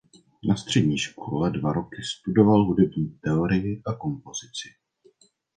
Na střední škole dva roky studoval hudební teorii a kompozici.